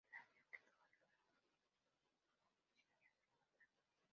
El avión quedó declarado como siniestro total.